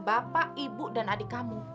bapak ibu dan adik kamu